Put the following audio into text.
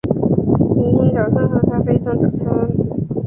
明天早上喝咖啡当早餐